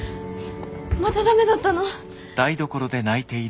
また駄目だったの？